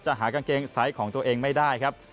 หากางเกงไซส์ของตัวเองไม่ได้ครับ